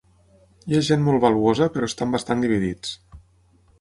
Hi ha gent molt valuosa, però estan bastant dividits.